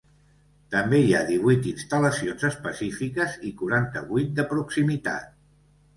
També hi ha divuit instal·lacions específiques i quaranta-vuit de proximitat.